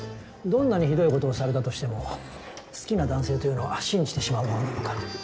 どんなにひどいことをされたとしても好きな男性というのは信じてしまうものなのか？